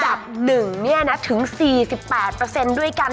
อันดับหนึ่งเนี่ยนะถึง๔๘ด้วยกัน